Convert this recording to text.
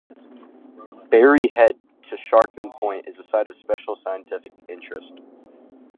Berry Head To Sharkham Point is a Site of Special Scientific Interest.